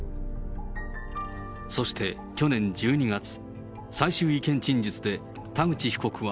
そして、去年１２月、最終意見陳述で田口被告は。